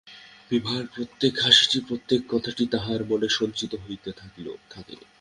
বিভার প্রত্যেক হাসিটি প্রত্যেক কথাটি তাঁহার মনে সঞ্চিত হইতে থাকে।